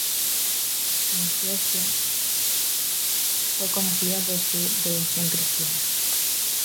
En Suecia fue conocida por su devoción cristiana.